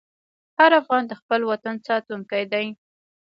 هر افغان د خپل وطن ساتونکی دی.